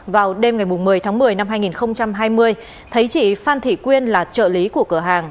vào đêm ngày một mươi tháng một mươi năm hai nghìn hai mươi thấy chị phan thị quyên là trợ lý của cửa hàng